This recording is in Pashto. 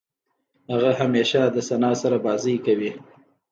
هغه همېشه د ثنا سره بازۍ کوي.